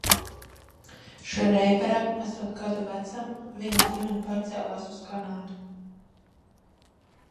Šreiberam esot gadu vecam, viņa ģimene pārcēlās uz Kanādu.